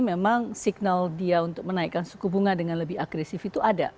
memang signal dia untuk menaikkan suku bunga dengan lebih agresif itu ada